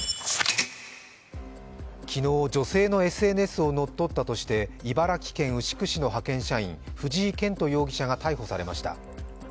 昨日、女性のＳＮＳを乗っ取ったとして茨城県牛久市の派遣社員藤井健人容疑者が逮捕されました。